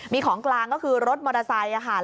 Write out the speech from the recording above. มีของกลางก็คือรถมอเตอร์ไซค์ค่ะ